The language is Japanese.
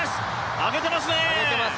上げていますね。